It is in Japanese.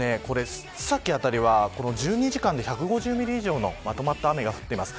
１２時間で１５０ミリ以上のまとまった雨が降っています。